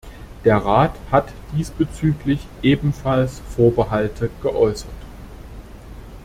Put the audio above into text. Der Rat hat diesbezüglich ebenfalls Vorbehalte geäußert.